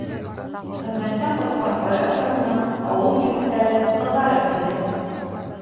Хеҙмәттән ҡайтҡан Айрат янына ауыл егеттәре, ҡыҙҙары килде.